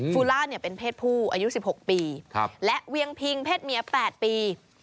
ฟูล่าเป็นเพศผู้อายุ๑๖ปีและเวียงพิงเพศเมีย๘ปี